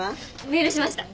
メールしました。